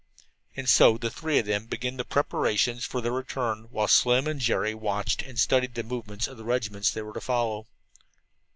And so the three of them began the preparations for their return, while Jerry and Slim watched and studied the movements of the regiments they were to follow.